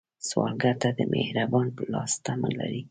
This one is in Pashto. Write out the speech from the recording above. سوالګر تل د مهربان لاس تمه لري